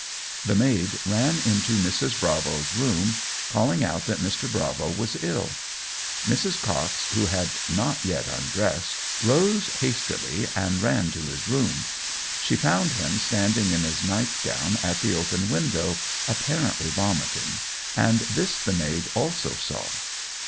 The maid ran into Mrs. Bravo's room, calling out that Mr. Bravo was ill. Mrs. Cox, who had not yet undressed, rose hastily and ran to his room. She found him standing in his night gown at the open window, apparently vomiting, and this the maid also saw.